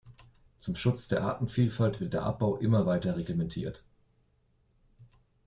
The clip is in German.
Zum Schutz der Artenvielfalt wird der Abbau immer weiter reglementiert.